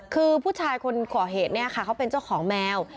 คือผู้ชายคนก่อเหตุเนี่ยค่ะเขาเป็นเจ้าของแมว